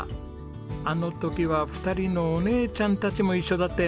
あの時は２人のお姉ちゃんたちも一緒だったよね。